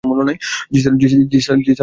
জ্বি স্যার, আমরা প্রস্তুত।